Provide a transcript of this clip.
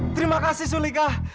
terima kasih sudikah